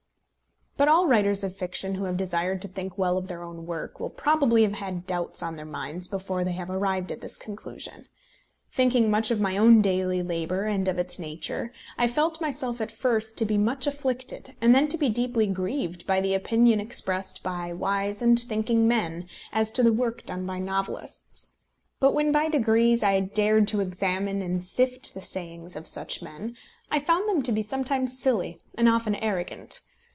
But all writers of fiction who have desired to think well of their own work, will probably have had doubts on their minds before they have arrived at this conclusion. Thinking much of my own daily labour and of its nature, I felt myself at first to be much afflicted and then to be deeply grieved by the opinion expressed by wise and thinking men as to the work done by novelists. But when, by degrees, I dared to examine and sift the sayings of such men, I found them to be sometimes silly and often arrogant.